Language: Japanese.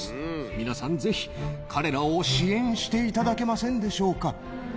皆さんぜひ、彼らを支援していただけませんでしょうか。